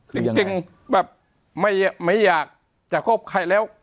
จริงจริงแบบไม่ไม่อยากจะคบใครแล้ว